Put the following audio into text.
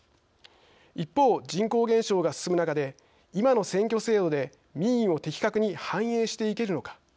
一方、人口減少が進む中で今の選挙制度で民意を的確に反映していけるのか。